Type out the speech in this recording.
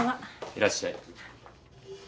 いらっしゃい。